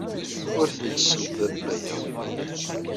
Ur tent-ssembabbayeɣ.